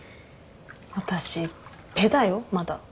私ペだよまだ。